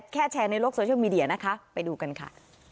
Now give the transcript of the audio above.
แชร์ในโลกโซเชียลมีเดียนะคะไปดูกันค่ะ